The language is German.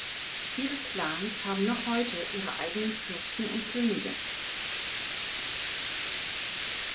Ihre Clans haben noch heute ihre eigenen Fürsten und Könige.